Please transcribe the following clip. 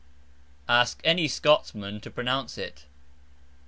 (Ask any Scotsman to pronounce it).